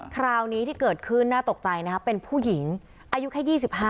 คราวนี้ที่เกิดขึ้นน่าตกใจนะครับเป็นผู้หญิงอายุแค่๒๕